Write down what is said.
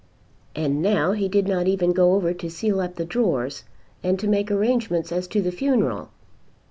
And now he did not even go over to seal up the drawers and to make arrangements as to the funeral.